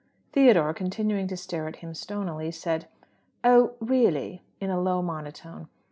Theodore, continuing to stare at him stonily, said, "Oh, really?" in a low monotone.